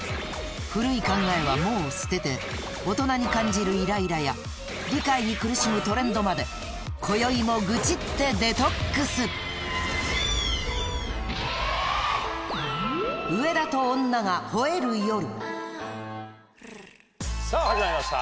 古い考えはもう捨てて大人に感じるイライラや理解に苦しむトレンドまで今宵も愚痴ってデトックスさぁ始まりました